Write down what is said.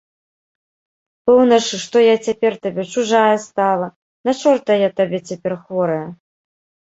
Пэўна ж, што я цяпер табе чужая стала, на чорта я табе цяпер, хворая.